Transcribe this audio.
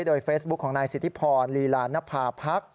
โดยเฟซบุ๊คของนายสิทธิพรลีลานภาพรค